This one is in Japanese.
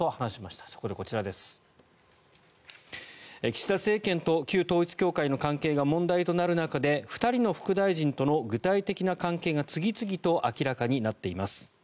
岸田政権と旧統一教会の関係が問題となる中で２人の副大臣との具体的な関係が次々と明らかになっています。